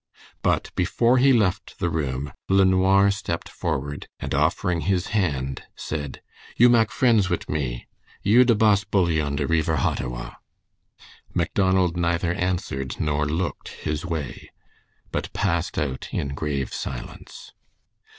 But before he left the room LeNoir stepped forward, and offering his hand, said, "You mak friends wit' me. You de boss bully on de reever Hottawa." Macdonald neither answered nor looked his way, but passed out in grave silence.